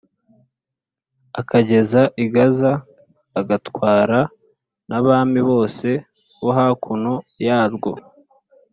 ukageza i Gaza, agatwara n’abami bose bo hakuno yarwo